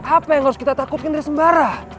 apa yang harus kita takutin dari sembara